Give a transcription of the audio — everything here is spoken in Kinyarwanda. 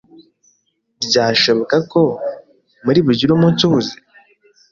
Byashoboka ko muri bugire umunsi uhuze